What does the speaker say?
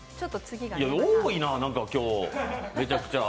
多いな、なんか今日。